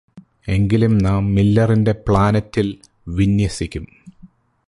എങ്കിലും നാം മില്ലറിന്റെ പ്ലാനെറ്റിൽ വിന്യസിക്കും